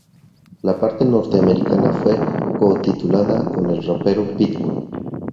La parte norteamericana fue co-titulada con el rapero Pitbull.